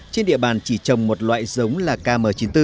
trên địa bàn chỉ trồng một loại giống là km chín mươi bốn